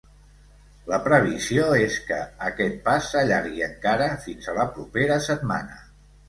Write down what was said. La previsió és que aquest pas s’allargui encara fins a la propera setmana.